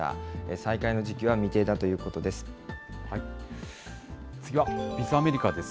再開の時期は未定だということです。